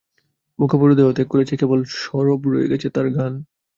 বোকা বুড়ো দেহ ত্যাগ করেছে, কেবল সরব রয়ে গেছে তার গান।